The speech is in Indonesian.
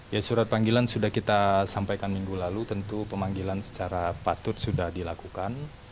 ya surat panggilan sudah kita sampaikan minggu lalu tentu pemanggilan secara patut sudah dilakukan